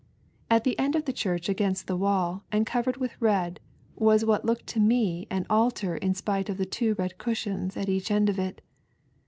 At the end of the church against the wall and covered with red wag what looked to me an altaj in spite of two red cushions at each end of it.